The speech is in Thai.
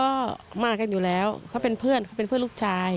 ก็มากันอยู่แล้วเขาเป็นเพื่อนเขาเป็นเพื่อนลูกชาย